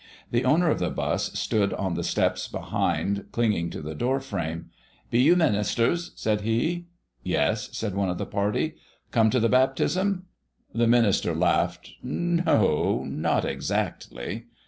The owner of the 'bus stood on the steps behind clinging to the door frame. "Be you ministers?" said he. "Yes," said one of the party. "Come to the baptism?" The minister laughed. "No, not exactly."